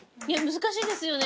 難しいですよね。